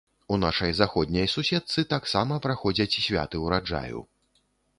У нашай заходняй суседцы таксама праходзяць святы ўраджаю.